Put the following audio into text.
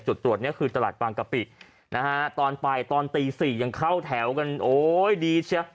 จุดตรวจเนี่ยคือตลาดบางกะปินะฮะตอนไปตอนตี๔ยังเข้าแถวกันโอ้ยดีเชีย